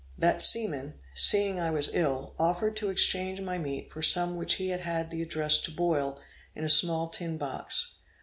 That seaman, seeing I was ill, offered to exchange my meat for some which he had had the address to boil in a small tin box.